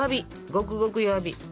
ごくごく弱火。